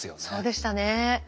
そうでしたね。